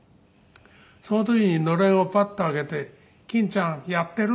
その時にのれんをパッと開けて「均ちゃんやってる？」